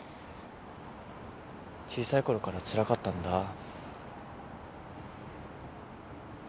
小さい頃からつらかったんだ。